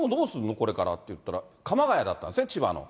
これからと言ったら、鎌ケ谷だったんですね、千葉の。